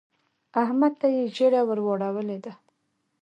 احمد ته يې ژیړه ور واړولې ده.